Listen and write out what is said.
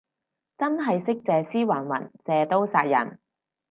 真係識借屍還魂，借刀殺人